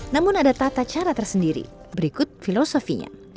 namun ada tata cara tersendiri berikut filosofinya